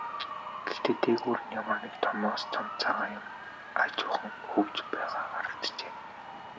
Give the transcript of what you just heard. Гэхдээ дээгүүр нь ямар нэг томоос том цагаан юм аажуухан хөвж байгаа харагджээ.